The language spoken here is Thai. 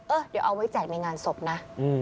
เดี๋ยวเอาไว้แจกในงานศพนะ